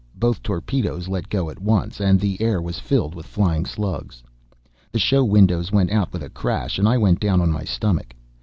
Both torpedoes let go at once and the air was filled with flying slugs. The show windows went out with a crash and I went down on my stomach.